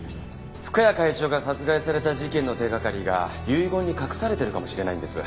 深谷会長が殺害された事件の手掛かりが遺言に隠されてるかもしれないんです。